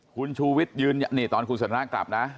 คุณชูวิทยืนนี่ตอนคุณสันทนากลับนะ